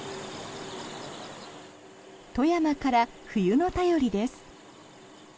富山から冬の便りです。